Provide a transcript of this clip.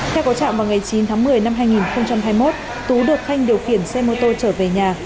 theo có trạm vào ngày chín tháng một mươi năm hai nghìn hai mươi một tú được khanh điều khiển xe mô tô trở về nhà